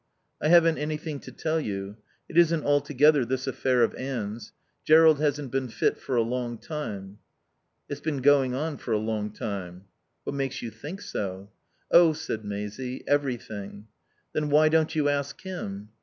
"I haven't anything to tell you. It isn't altogether this affair of Anne's. Jerrold hasn't been fit for a long time." "It's been going on for a long time." "What makes you think so?" "Oh," said Maisie, "everything." "Then why don't you ask him?"